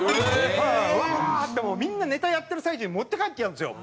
ワーッてもうみんなネタやってる最中に持って帰っちゃうんですよ。